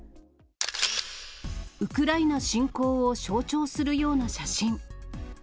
ウクライナ侵攻を象徴するような写真。